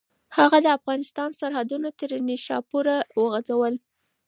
هغه د افغانستان سرحدونه تر نیشاپوره وغځول.